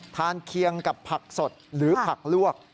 เคียงกับผักสดหรือผักลวก